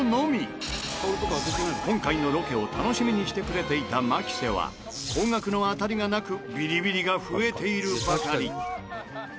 今回のロケを楽しみにしてくれていた牧瀬は高額の当たりがなくビリビリが増えているばかり。